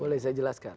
boleh saya jelaskan